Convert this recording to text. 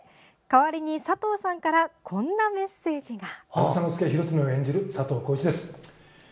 代わりに佐藤さんからこんなメッセージが。